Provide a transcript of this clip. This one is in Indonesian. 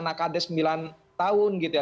anak anak kadeh sembilan tahun gitu ya